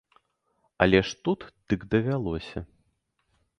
Але ж тут дык давялося.